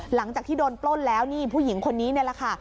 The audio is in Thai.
หลังจากที่โดนปล้นแล้วนี่ผู้หญิงคนนี้นี่แหละค่ะ